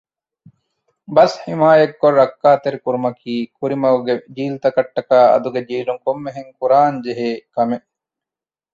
ބަސް ޙިމާޔަތްކޮށް ރައްކައުތެރިކުރުމަކީ ކުރިމަގުގެ ޖީލުތަކަށް ޓަކައި އަދުގެ ޖީލުން ކޮންމެހެން ކުރާން ޖެހޭ ކަމެއް